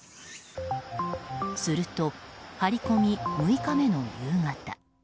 すると、張り込み６日目の夕方。